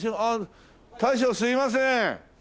大将すいません！